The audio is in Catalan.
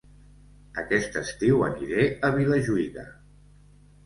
Aquest estiu aniré a Vilajuïga